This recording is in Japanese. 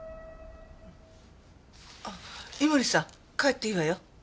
あっ井森さん帰っていいわよ。